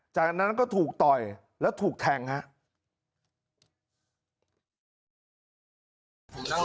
จากนั้นก็ถูกต่อยแล้วถูกแทงครับ